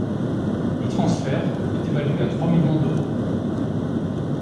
Le transfert est évalué à trois millions d'euros.